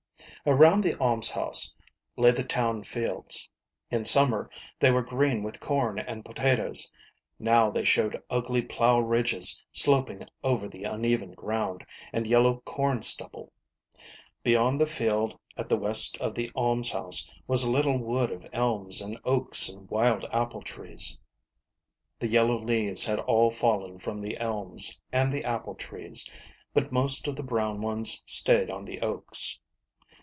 Around the almshouse lay the town fields. In summer they were green with corn and potatoes, now they showed ugly plough ridges sloping over the uneven ground, and yellow corn stubble. Beyond the field at the west of the almshouse was a little wood of elms and oaks and wild apple trees. The yellow leaves had all fallen from the elms and the apple trees, but most of the brown ones stayed on the oaks.